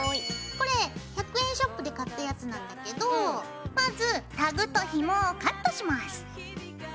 これ１００円ショップで買ったやつなんだけどまずタグとひもをカットします。